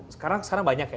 sekarang banyak ya